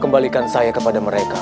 kembalikan saya kepada mereka